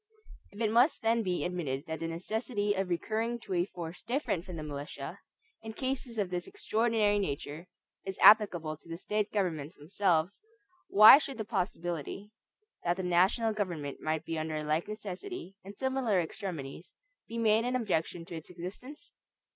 If it must then be admitted that the necessity of recurring to a force different from the militia, in cases of this extraordinary nature, is applicable to the State governments themselves, why should the possibility, that the national government might be under a like necessity, in similar extremities, be made an objection to its existence?